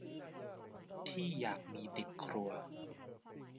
ที่อยากมีติดครัว